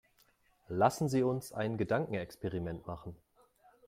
Lassen Sie uns ein Gedankenexperiment machen.